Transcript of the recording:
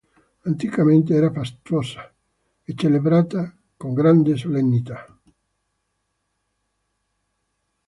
Anticamente era fastosa e celebrata con grande solennità.